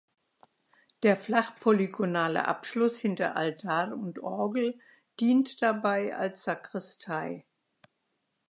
Der flach-polygonale Abschluss hinter Altar und Orgel dient dabei als Sakristei.